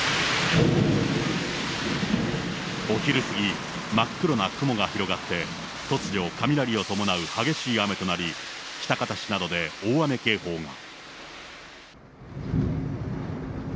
お昼過ぎ、真っ黒な雲が広がって、突如、雷を伴う激しい雨となり、喜多方市などで大雨警報が。